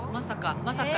まさか。